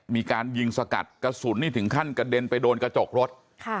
มีการยิงสกัดกระสุนนี่ถึงขั้นกระเด็นไปโดนกระจกรถ